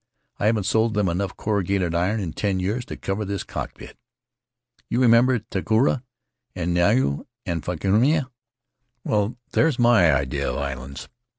I haven't sold them enough corrugated iron in ten years to cover this cockpit. You remember Takaroa and Xiau and Fakahina? Well, there's my idea of islands.